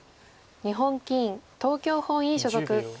日本棋院東京本院所属。